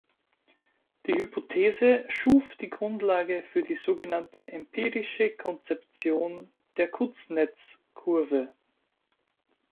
Die Hypothese schuf die Grundlage für die so genannte empirische Konzeption der „Kuznets-Kurve“.